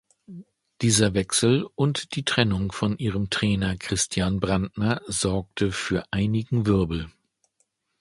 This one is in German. Dieser Wechsel und die Trennung von ihrem Trainer Christian Brandner sorgte für einigen Wirbel.